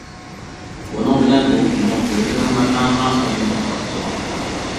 بۇنىڭ بىلەن بۇ قۇملۇق بۆرىنىڭ ماكانىغا ئايلىنىپ قاپتۇ.